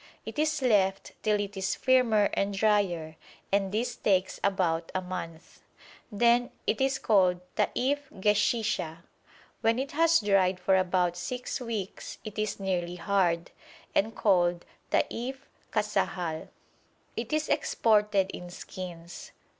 It is left till it is firmer and drier, and this takes about a month. Then it is called taïf geshisha. When it has dried for about six weeks it is nearly hard, and called taïf kasahal. It is exported in skins.